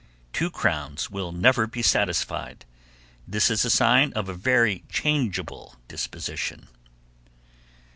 "Two crowns will never be satisfied." This is a sign of a very changeable disposition.